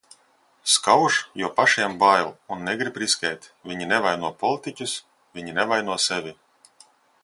Skauž, jo pašiem bail un negrib riskēt. Viņi nevaino politiķus. Viņi nevaino sevi.